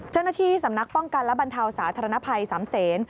เจ้าหน้าที่สำนักป้องกันและบรรเทาสาธารณภัยสามเซน